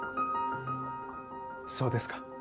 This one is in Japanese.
そうですか。